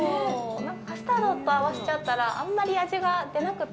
カスタードと合わせちゃったらあんまり味が出なくて。